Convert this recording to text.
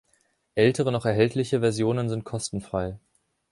Ältere noch erhältliche Versionen sind kostenfrei.